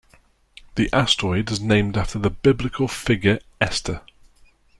The asteroid is named after the biblical figure Esther.